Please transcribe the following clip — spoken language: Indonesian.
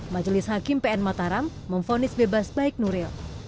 majelis hakim pn mataram memfonis bebas baik nuril